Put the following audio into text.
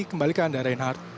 kembali ke anda reinhard